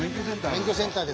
免許センターです